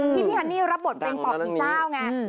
พี่ฮันนี่รับบทเป็นปอบผีเจ้าไง